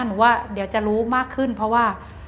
หนูว่าเดี๋ยวจะรู้มากขึ้นเพราะว่า